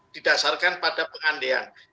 didasarkan pada pengandean